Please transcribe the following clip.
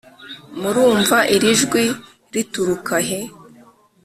murumva iri jwi riturukahe ?